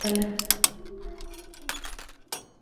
سیکهانو له دغه فرصت څخه ګټه واخیستله.